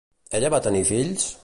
Ella va tenir fills?